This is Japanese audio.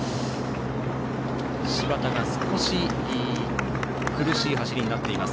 柴田が少し苦しい走りになっています。